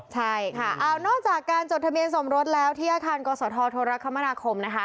ใช่ค่ะนอกจากการจดทะเบียนสมรสแล้วที่อาคารกศธโทรคมนาคมนะคะ